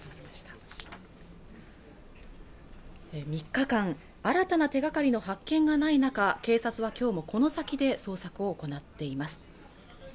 ３日間、新たな手がかりの発見がない中警察はきょうもこの先で捜索を行っています